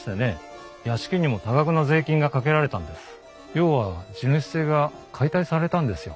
要は地主制が解体されたんですよ。